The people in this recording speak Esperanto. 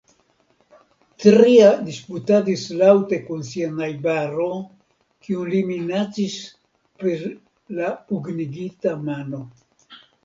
Tria disputadis laŭte kun sia najbaro, kiun li minacis per la pugnigita mano.